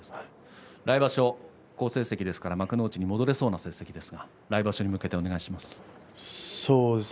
来場所、好成績ですから幕内に戻れそうな成績ですが来場所に向けてお願いします。